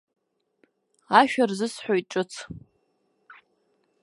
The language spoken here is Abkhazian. Ашәа рзысҳәоит ҿыц.